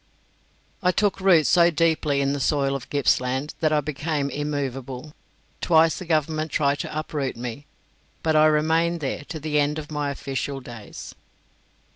I took root so deeply in the soil of Gippsland that I became immoveable. Twice the Government tried to uproot me, but I remained there to the end of my official days.